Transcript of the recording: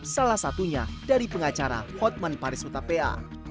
salah satunya dari pengacara hotman paris hutapea